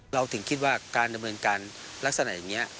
เราถึงคิดว่าการดำเนินการลักษณะอย่างนี้